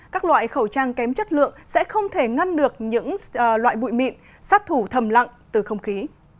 các loại khẩu trang kém chất lượng sẽ không thể ngăn được những loại bụi mịn sát thủ thầm lặng từ không khí